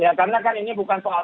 ya karena kan ini bukan soal